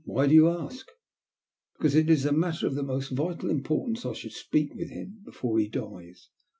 "Why do you ask?" '' Because it is a matter of the most vital import ance that I should speak with him before he dies.